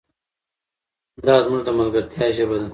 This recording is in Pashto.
دا زموږ د ملګرتیا ژبه ده.